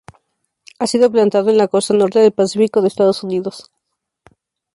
Ha sido plantado en la costa norte del Pacífico de Estados Unidos.